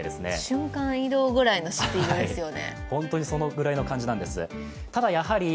瞬間移動ぐらいのスピードですよね。